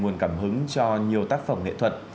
nguồn cảm hứng cho nhiều tác phẩm nghệ thuật